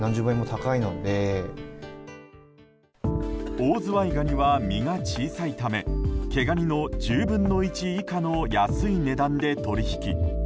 オオズワイガニは身が小さいため毛ガニの１０分の１以下の安い値段で取引。